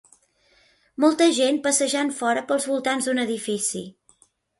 Molta gent passejant fora pels voltants d'un edifici.